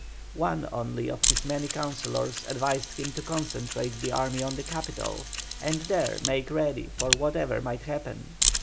One only of his many councillors advised him to concentrate the army on the capital, and there make ready for whatever might happen.